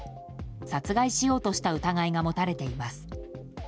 殺害しようとした疑いが持たれています。